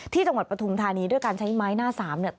ที่จังหวัดปทุมธานีด้วยการใช้ไม้หน้าสามเนี่ย